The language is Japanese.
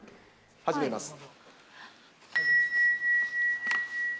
始めます。